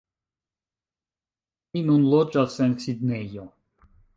Mi nun loĝas en Sidnejo